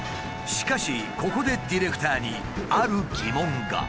しかしここでディレクターにある疑問が。